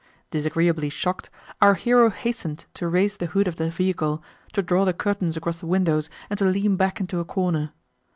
Disagreeably shocked, our hero hastened to raise the hood of the vehicle, to draw the curtains across the windows, and to lean back into a corner.